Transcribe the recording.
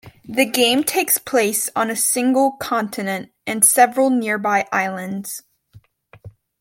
The game takes place on a single continent and several nearby islands.